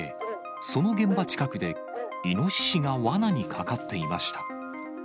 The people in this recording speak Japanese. その現場近くで、イノシシがわなにかかっていました。